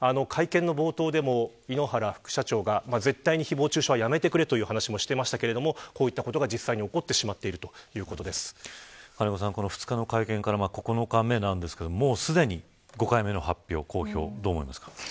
会見の冒頭でも井ノ原副社長が絶対にひぼう中傷はやめてくれ、と話していましたがこういったことが実際に起こってしまっている２日の会見からも９日目ですがすでに５回目の公表はどうですか。